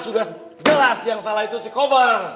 sudah jelas yang salah itu si kobar